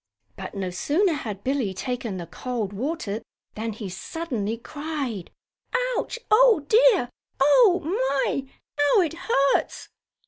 But no sooner had Billie taken the cold water than he suddenly cried: "Ouch! Oh, dear! Oh, my, how it hurts!"